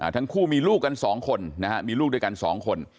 ทั้งคู่มีลูกกันสองคนนะฮะมีลูกด้วยกันสองคน